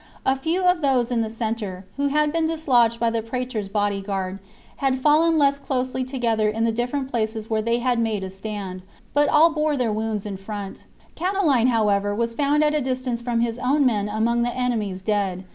A few of those in the centre, who had been dislodged by the praetor's body guard, had fallen less closely together in the different places where they had made a stand ; but all bore their wounds in front Catiline, however, was found at a distance from his own men among the enemy's dead.